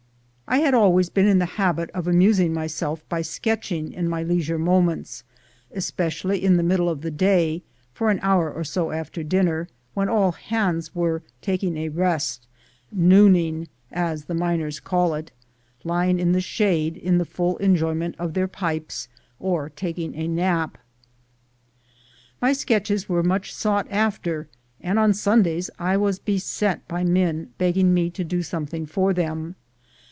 I had always been in the habit of amusing myself by sketching in my leisure moments, especially in the middle of the day, for an hour or so after dinner, when all hands were taking a rest — "nooning," as the miners call it — lying in the shade, in the full enjoy ment of their pipes, or taking a nap. My sketches were much sought after, and on Sundays I was beset by men begging me to do something for them.